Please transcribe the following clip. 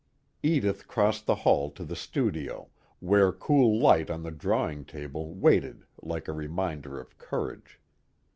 Edith crossed the hall to the studio, where cool light on the drawing table waited like a reminder of courage.